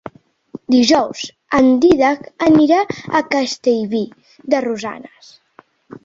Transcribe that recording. Dijous en Dídac anirà a Castellví de Rosanes.